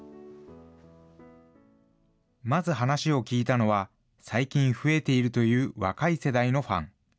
まず話を聞いたのは、最近増えているという若い世代のファン。